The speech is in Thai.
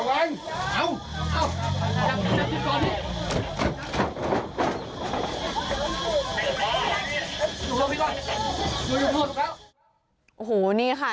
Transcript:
โอ้โหนี่ค่ะ